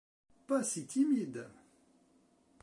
Pas si timide !